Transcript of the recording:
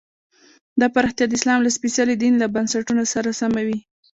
دا پراختیا د اسلام له سپېڅلي دین له بنسټونو سره سمه وي.